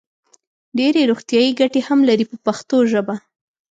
ډېرې روغتیايي ګټې هم لري په پښتو ژبه.